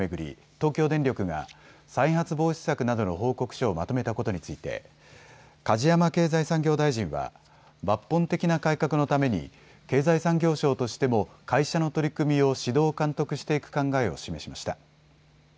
東京電力が再発防止策などの報告書をまとめたことについて梶山経済産業大臣は抜本的な改革のために経済産業省としても会社の取り組みを指導、監督していく考えを示しました。